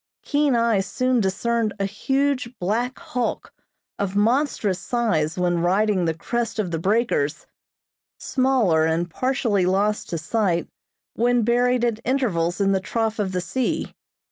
Keen eyes soon discerned a huge, black hulk, of monstrous size when riding the crest of the breakers, smaller and partially lost to sight when buried at intervals in the trough of the sea.